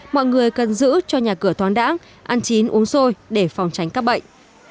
mọi người cần giữ cho nhà cửa toán đáng ăn chín uống sôi để phòng tránh các bệnh